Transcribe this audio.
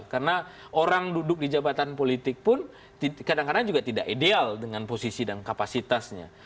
karena orang duduk di jabatan politik pun kadang kadang juga tidak ideal dengan posisi dan kapasitasnya